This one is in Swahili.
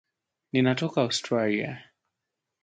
Ninatoka Australia